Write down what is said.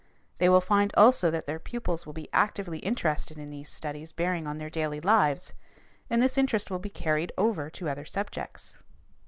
They will find also that their pupils will be actively interested in these studies bearing on their daily lives, and this interest will be carried over to other subjects.